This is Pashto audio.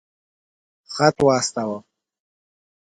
خط واستاوه.